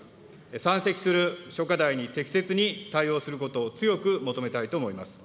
山積する諸課題に適切に対応することを強く求めたいと思います。